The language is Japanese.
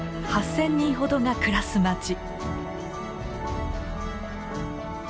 ８，０００人ほどが暮らす町。